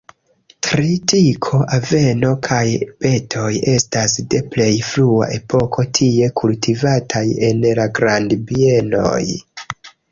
Tritiko, aveno kaj betoj estas de plej frua epoko tie kultivataj en la grandbienoj.